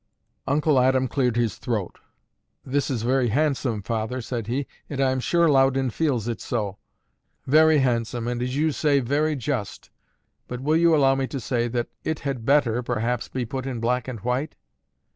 Uncle Adam cleared his throat. "This is very handsome, father," said he; "and I am sure Loudon feels it so. Very handsome, and as you say, very just; but will you allow me to say that it had better, perhaps, be put in black and white?"